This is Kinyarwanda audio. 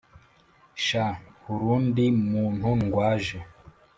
sha hurundi muntu ndwaje"